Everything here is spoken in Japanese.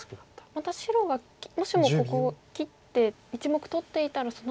また白がもしもここを切って１目取っていたらそのあと。